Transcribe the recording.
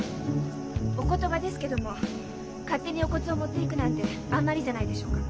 お言葉ですけども勝手にお骨を持っていくなんてあんまりじゃないでしょうか。